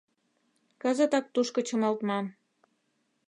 Кызытак тушко чымалтман.